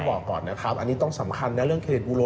บอกก่อนนะครับอันนี้ต้องสำคัญนะเรื่องเครดบูโล